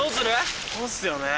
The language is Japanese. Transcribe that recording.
そうっすよね。